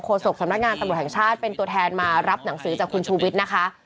ศกสำนักงานตำรวจแห่งชาติเป็นตัวแทนมารับหนังสือจากคุณชูวิทย์นะคะ